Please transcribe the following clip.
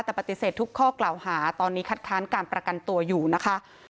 แต่ปฏิเสธทุกข้อกล่าวหาตอนนี้คัดค้านการประกันตัวอยู่นะคะ